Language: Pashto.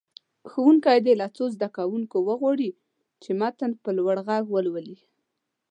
ښوونکی دې له څو زده کوونکو وغواړي چې متن په لوړ غږ ولولي.